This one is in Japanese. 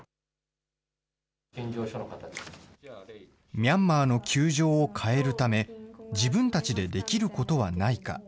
ミャンマーの窮状を変えるため、自分たちでできることはないか。